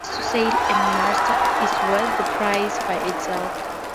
The illustrated guide to sails and masts is worth the price by itself.